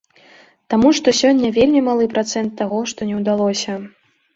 Таму што сёння вельмі малы працэнт таго што не ўдалося.